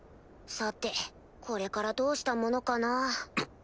さてこれからどうしたものかな。